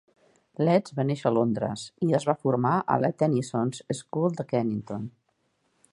Letts va néixer a Londres i es va formar a la Tenison's School de Kennington.